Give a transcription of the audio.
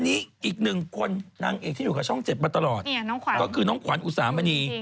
เนาะเพราะฆ่าตอนมันก็จะขึ้นแบบ